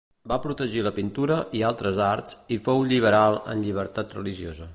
Va protegir la pintura i altres arts i fou lliberal en llibertat religiosa.